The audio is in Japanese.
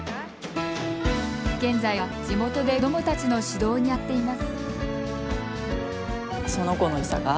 現在は地元で子どもたちの指導にあたっています。